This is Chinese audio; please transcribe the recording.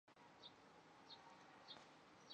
夫妇俩育有两儿一女。